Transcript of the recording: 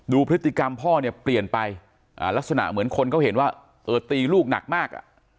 พฤติกรรมพ่อเนี่ยเปลี่ยนไปลักษณะเหมือนคนเขาเห็นว่าเออตีลูกหนักมาก